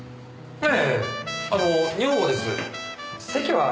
ええ。